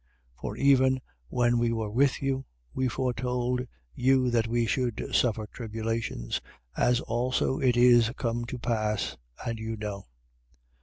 3:4. For even when we were with you, we foretold you that we should suffer tribulations: as also it is come to pass, and you know.